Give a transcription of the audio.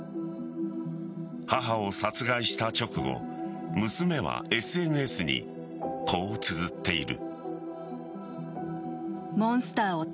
母を殺害した直後娘はＳＮＳにこうつづっている。